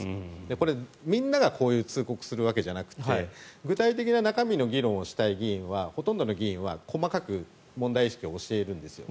これ、みんながこういう通告をするわけじゃなくて具体的な中身の議論をしたい議員はほとんどの議員は細かく問題意識を教えるんですよ。